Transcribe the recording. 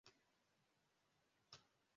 Urubyiruko rutatu (abahungu babiri numukobwa)